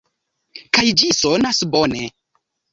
Kaj ĝi sonas bone.